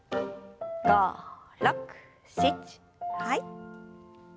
５６７はい。